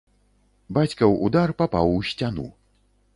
Бацькаў удар папаў у сцяну.